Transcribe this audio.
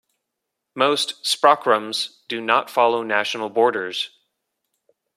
Most sprachraums do not follow national borders.